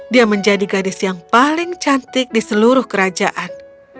dia menjadi gadis yang paling cantik di seluruh kerajaan